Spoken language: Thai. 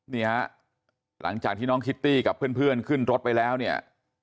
นี่ฮะหลังจากที่น้องคิตตี้กับเพื่อนขึ้นรถไปแล้วเนี่ย